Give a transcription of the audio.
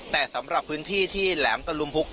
แต่สำหรับพื้นที่ที่แหลมตะลุมพุก